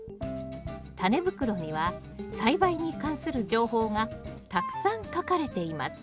タネ袋には栽培に関する情報がたくさん書かれています。